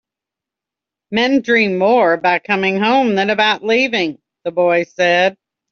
"Men dream more about coming home than about leaving," the boy said.